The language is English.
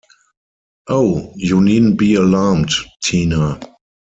Oh, you needn’t be alarmed, Tina.